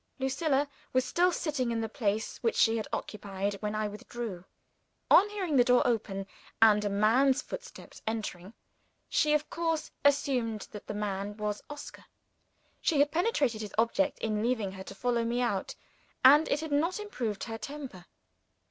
Lucilla was still sitting in the place which she had occupied when I withdrew. On hearing the door open, and a man's footsteps entering, she of course assumed that the man was Oscar. She had penetrated his object in leaving her to follow me out, and it had not improved her temper.